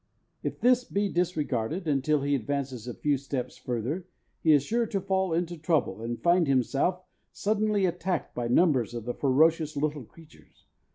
If this be disregarded until he advances a few steps further, he is sure to fall into trouble, and find himself suddenly attacked by numbers of the ferocious little creatures.